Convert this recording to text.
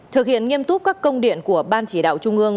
thực hiện nghiêm túc các công điện của ban chỉ đạo trung ương